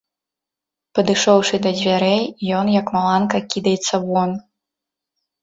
Падышоўшы да дзвярэй, ён, як маланка, кідаецца вон.